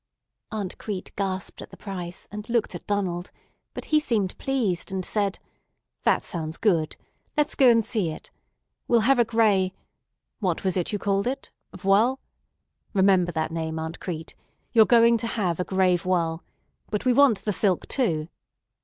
Aunt Crete gasped at the price, and looked at Donald; but he seemed pleased, and said: "That sounds good. Let's go and see it. We'll have a gray—what was it you called it—voile? Remember that name, Aunt Crete. You're going to have a gray voile. But we want the silk too.